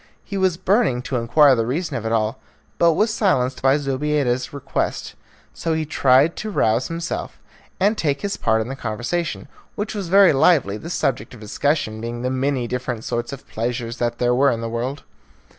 He was burning to inquire the reason of it all, but was silenced by Zobeida's request, so he tried to rouse himself and to take his part in the conversation, which was very lively, the subject of discussion being the many different sorts of pleasures that there were in the world.